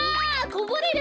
こぼれる！